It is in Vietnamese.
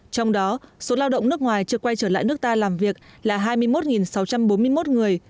trong đó số lao động nước ngoài chưa quay trở lại nước ta làm việc là hai mươi một sáu trăm bốn mươi một người